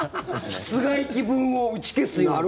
室外機分を打ち消すような。